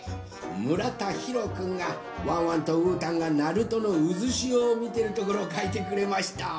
むらたひろくんがワンワンとうーたんが鳴門のうずしおをみてるところをかいてくれました。